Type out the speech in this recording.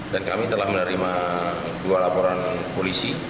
dan kami telah menerima dua laporan polisi